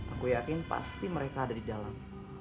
aku yakin pasti mereka ada di dalam